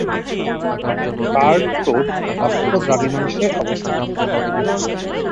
Cart road অক্ষ-দ্রাঘিমাংশে অবস্থিত।